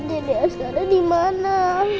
dede askara dimana